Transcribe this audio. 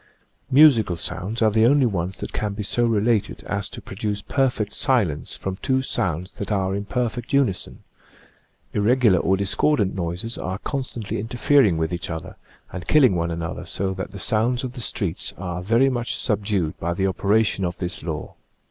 Musical sounds are the only ones that can be so related as to produce perfect silence, {^\, Original from :{<~ UNIVERSITY OF WISCONSIN 5oun&*1nterferencc. 101 from two sounds that are in perfect unison. Irregular or discordant noises are constantly interfering with each other and killing one another so that the sounds of the streets are very much subdued by the operation of this law.